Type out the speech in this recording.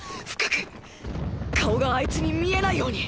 顔があいつに見えないように。